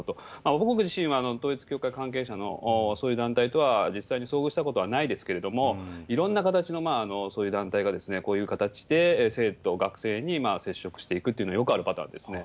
僕自身は統一教会関係者の、そういう団体とは実際に遭遇したことはないですけれども、いろんな形のそういう団体が、こういう形で生徒、学生に接触していくというのはよくあるパターンですね。